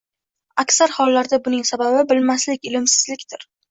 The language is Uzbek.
Aksar hollarda buning sababi – bilmaslik – ilmsizlikdir.